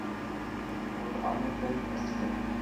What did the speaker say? Locarno Film Festival